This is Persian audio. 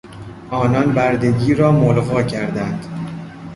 آنان بردگی را ملغی کردند.